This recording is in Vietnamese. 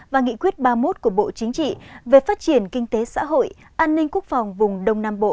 và nghị quyết ba mươi một của bộ chính trị về phát triển kinh tế xã hội an ninh quốc phòng vùng đông nam bộ